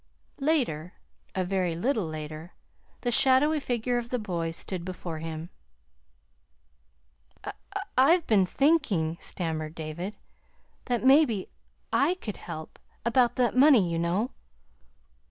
Later, a very little later, the shadowy figure of the boy stood before him. "I've been thinking," stammered David, "that maybe I could help, about that money, you know."